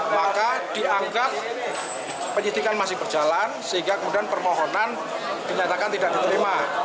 maka dianggap penyidikan masih berjalan sehingga kemudian permohonan dinyatakan tidak diterima